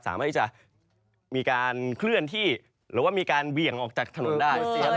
สามารถที่จะมีการเคลื่อนที่หรือว่ามีการเบี่ยงออกจากถนนได้